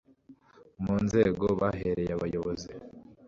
mu nzego bahereye abayobozi